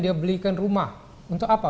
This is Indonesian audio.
dia belikan rumah untuk apa